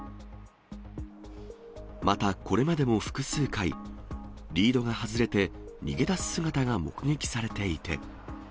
また、これまでも複数回、リードが外れて逃げだす姿が目撃されていて。